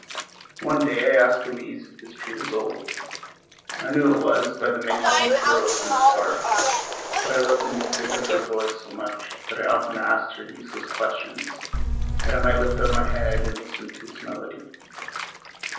One day I asked Louise if this tree was old. I knew it was by the many deep furrows in its bark, but I loved the music of her voice so much that I often asked her useless questions that I might lift up my head and listen to its melody.